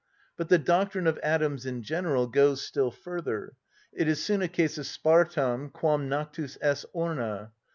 But the doctrine of atoms in general goes still further: it is soon a case of Spartam, quam nactus es, orna!